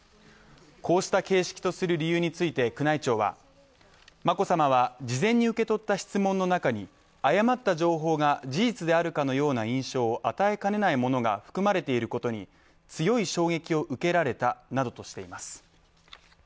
こうした形式とする理由について宮内庁は眞子さまは事前に受け取った質問の中に誤った情報が事実であるかのような印象を与えかねないものが含まれていることに強い衝撃を受けられたなどとしています。